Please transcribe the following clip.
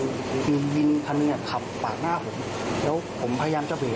คือมีวินทะเนื้อขับปากหน้าผมแล้วผมพยายามจะเปลี่ยน